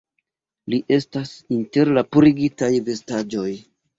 Li estas inter la purigitaj vestaĵoj